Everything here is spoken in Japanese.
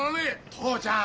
父ちゃん！